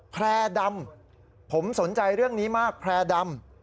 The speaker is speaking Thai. แพร่ดำผมสนใจเรื่องนี้มากแพร่ดำ